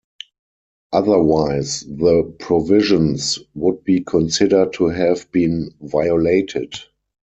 Otherwise the provisions would be consider to have been violated.